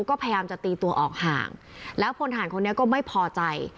ก็พยายามจะตีตัวออกห่างแล้วพลฐานคนนี้ก็ไม่พอใจ